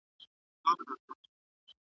پاڅیږه چې الوتکه کوزیږي.